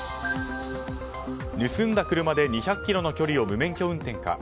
盗んだ車で２００ｋｍの距離を無免許運転か。